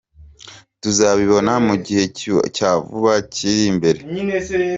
Tuzabibona mu gihe cya vuba kiri imbere.